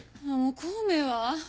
孔明は？